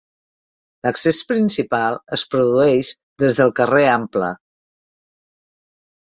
L'accés principal es produeix des del carrer Ample.